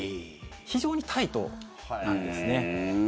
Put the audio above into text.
非常にタイトなんですね。